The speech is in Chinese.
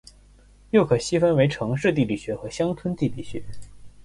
又可细分为城市地理学和乡村地理学。